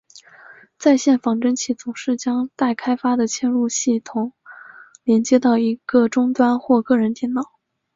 在线仿真器总是将待开发的嵌入式系统连接到一个终端或个人电脑。